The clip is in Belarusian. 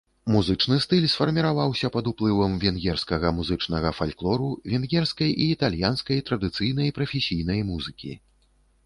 Музычны стыль сфарміраваўся пад уплывам венгерскага музычнага фальклору, венгерскай і італьянскай традыцыйнай прафесійнай музыкі.